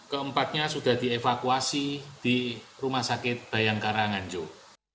keempatnya sudah dievakuasi di rumah sakit bayangkara nganjuk